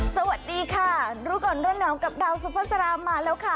สวัสดีค่ะรูปกรณ์ด้วยน้ำกับดาวซุภัณฑ์สรามมาแล้วค่ะ